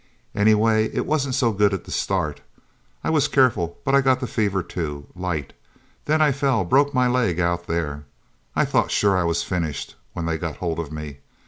Anyway, it wasn't so good at the start. I was careful, but I got the fever, too. Light. Then I fell broke my leg out there. I thought sure I was finished when they got hold of me.